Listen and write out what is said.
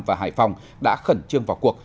và hải phòng đã khẩn trương vào cuộc